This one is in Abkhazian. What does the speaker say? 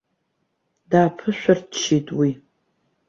Дааԥышәырччеит уи.